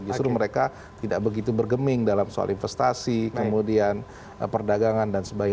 justru mereka tidak begitu bergeming dalam soal investasi kemudian perdagangan dan sebagainya